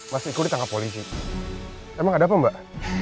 mas iko ditangkap polisi emang ada apa mbak